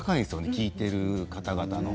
聞いている方々の。